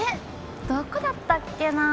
どこだったっけなあ。